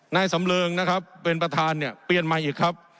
นายสำเริงนะครับเป็นประธานเนี่ยเปลี่ยนใหม่อีกครับ